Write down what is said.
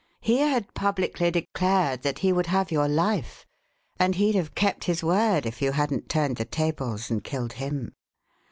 He had publicly declared that he would have your life, and he'd have kept his word if you hadn't turned the tables and killed him.